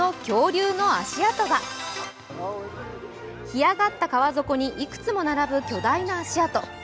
干上がった川底にいくつも並ぶ巨大な足跡。